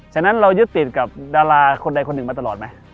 ฉะนั้นเรายึดติดกับดาราคนใดคนหนึ่งมาตลอดไหม